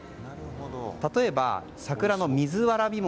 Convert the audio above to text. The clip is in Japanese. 例えば、桜の水わらび餅。